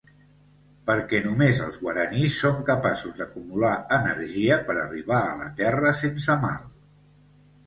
Perquè només els guaranís són capaços d'acumular energia per arribar a la Terra sense mal.